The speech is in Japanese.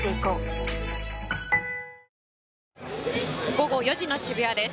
午後４時の渋谷です。